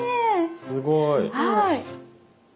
すごい。